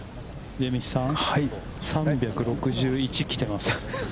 秀道さん、３６１来てます。